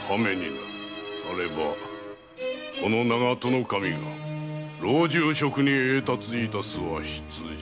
さればこの長門守が老中職に栄達いたすは必定。